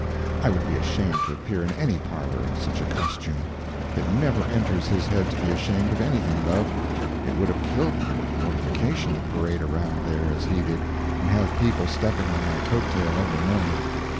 I would be ashamed to appear in any parlor in such a costume. It never enters his head to be ashamed of anything, though. It would have killed me with mortification to parade around there as he did, and have people stepping on my coat tail every moment.